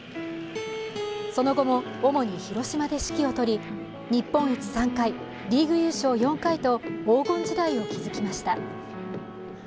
その後も主に広島で指揮をとり、日本一３回、リーグ優勝４回と黄金時代を築きました。